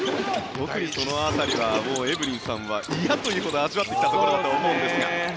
特にその辺りはエブリンさんは嫌というほど味わってきたと思いますが。